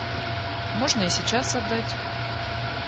Можно и сейчас отдать.